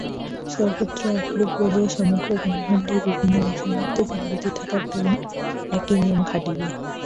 সর্বত্র একরূপ বলিয়া সমগ্র ব্রহ্মাণ্ডেই বিভিন্ন অংশের মধ্যে সঙ্গতি থাকার দরুন একই নিয়ম খাটিবে।